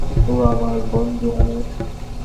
উনি আমার বন্ধু মানুষ।